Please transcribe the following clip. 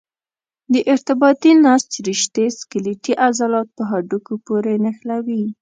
د ارتباطي نسج رشتې سکلیټي عضلات په هډوکو پورې نښلوي.